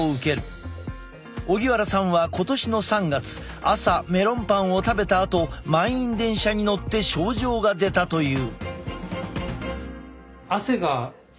荻原さんは今年の３月朝メロンパンを食べたあと満員電車に乗って症状が出たという。